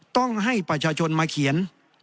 ต้องให้ประชาชนมาเขียน